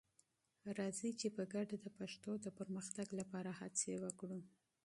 راځئ چې په ګډه د پښتو د پرمختګ لپاره هڅې وکړو.